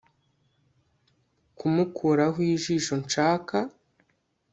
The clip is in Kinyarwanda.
kumukuraho ijisho nshaka